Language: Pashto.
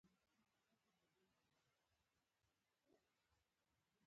د بهرنیو پیسو تبادله په بانکونو کې په قانوني توګه کیږي.